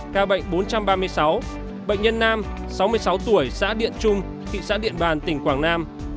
ca bệnh bốn trăm ba mươi sáu bệnh nhân nam sáu mươi sáu tuổi xã điện trung thị xã điện bàn tỉnh quảng nam